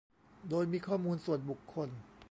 โดยมีข้อมูลส่วนบุคคล